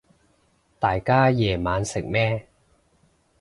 大家夜晚食咩